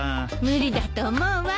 無理だと思うわ。